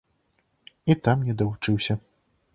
І там не давучыўся.